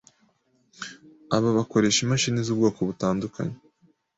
Aba bakoresha imashini z’ubwoko butandukanye